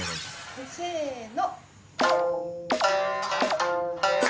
せの。